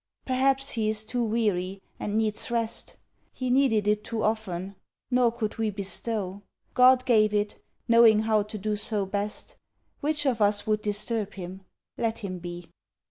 Perhaps he is too weary, and needs rest; He needed it too often, nor could we Bestow. God gave it, knowing how to do so best. Which of us would disturb him? Let him be.